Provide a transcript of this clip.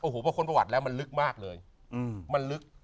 โอ้โหพอค้นประวัติแล้วมันลึกมากเลยมันลึก